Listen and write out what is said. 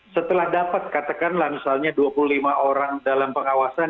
setelah dapat katakanlah misalnya dua puluh lima orang dalam pengawasan